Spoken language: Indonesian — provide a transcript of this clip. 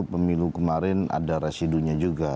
pemilu kemarin ada residunya juga